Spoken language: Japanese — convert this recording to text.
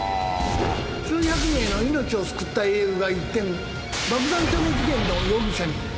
数百名の命を救った英雄が一転爆弾テロ事件の容疑者に。